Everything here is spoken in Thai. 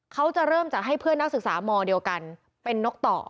เขาจะเริ่มจากให้เพื่อนนักศึกษามเดียวกันเป็นนกต่อ